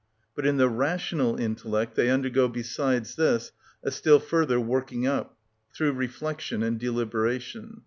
But in the rational intellect they undergo besides this a still further working up, through reflection and deliberation.